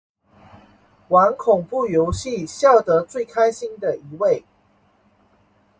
玩恐怖游戏笑得最开心的一位